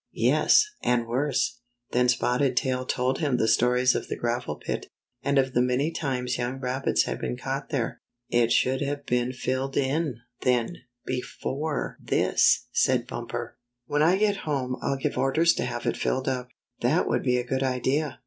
"Yes, and worse." Then Spotted Tail told him the stories of the gravel pit, and of the many times young rabbits had been caught there. "It should have been filled in, then, before Spotted Tail Proves His Loyalty 103. this," said Bumper. '' When I get home I'll give orders to have it filled up." ''That would be a good idea.